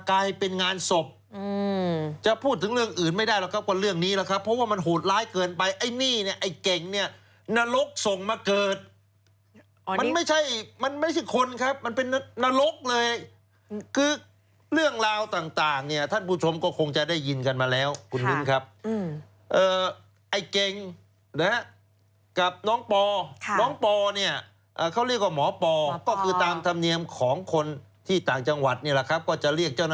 กลายเป็นงานศพจะพูดถึงเรื่องอื่นไม่ได้หรอกครับกว่าเรื่องนี้แหละครับเพราะว่ามันหูดร้ายเกินไปไอ้นี่เนี่ยไอ้เก๋งเนี่ยนรกส่งมาเกิดมันไม่ใช่มันไม่ใช่คนครับมันเป็นนรกเลยคือเรื่องราวต่างเนี่ยท่านผู้ชมก็คงจะได้ยินกันมาแล้วคุณลุ้นครับไอ้เก๋งนะครับกับน้องปอค่ะน้องปอเนี่ยเขาเรียกว่า